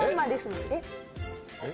えっ」